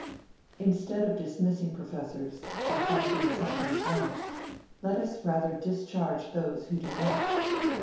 Instead of dismissing professors for finding something out, let us rather discharge those who do not.